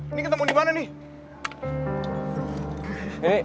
ini ketemu dimana nih